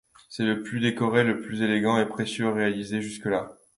C'est le plus décoré, le plus élégant et precieux réalisé jusque-là.